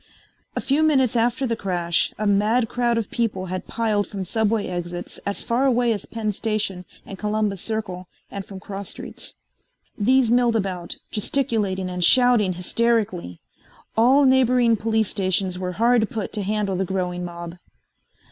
A few minutes after the crash a mad crowd of people had piled from subway exits as far away as Penn Station and Columbus Circle and from cross streets. These milled about, gesticulating and shouting hysterically. All neighboring police stations were hard put to handle the growing mob.